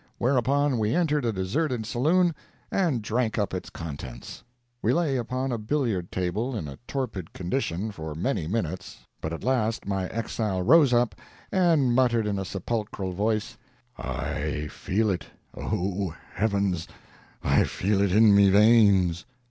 Whereupon, we entered a deserted saloon, and drank up its contents. We lay upon a billiard table in a torpid condition for many minutes, but at last my exile rose up and muttered in a sepulchral voice, "I feel it—O Heavens, I feel it in me veins!"